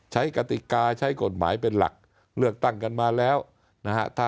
กติกาใช้กฎหมายเป็นหลักเลือกตั้งกันมาแล้วนะฮะ